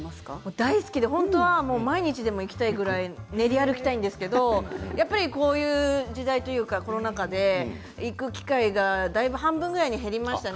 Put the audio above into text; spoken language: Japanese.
大好きで本当は毎日でも行きたいくらい練り歩きたいんですけれどやっぱりこういう事態というかコロナ禍で行く機会が半分ぐらいに減りましたね。